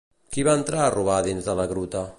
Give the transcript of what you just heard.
Qui va entrar a robar dins de la gruta?